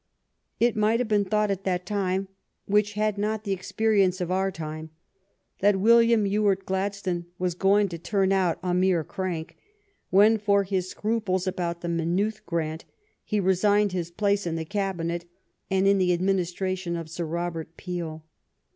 It might have been thought at that time, which had not the experience of our time, that William Ewart Glad stone was going to turn out a mere crank, when for his scruples about the Maynooth grant he re signed his place in the Cabinet and in the admin istration of Sir Robert Peel.